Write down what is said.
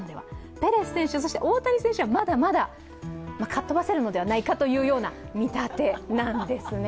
ペレス選手、そして大谷選手はまだまだかっ飛ばせるのではないかという見立てなんですね。